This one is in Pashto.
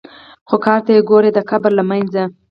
خو کار ته یې ګورې د قبر له منځه.